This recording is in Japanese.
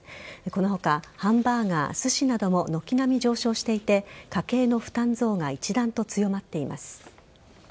この他、ハンバーガーすしなども軒並み上昇していて家計の負担増が一段と強まっています。